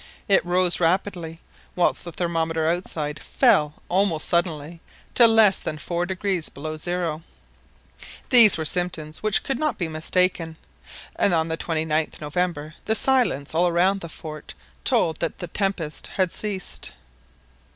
It rose rapidly, whilst the thermometer outside fell almost suddenly to less than four degrees below zero. These were symptoms which could not be mistaken, and on the 29th November the silence all around the fort told that the tempest had ceased.